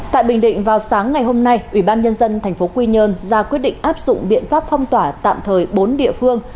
tại bình định vào sáng ngày hôm nay ủy ban nhân dân tp quy nhơn ra quyết định áp dụng biện pháp phong tỏa tạm thời bốn địa phương